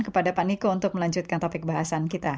kepada pak niko untuk melanjutkan topik bahasan kita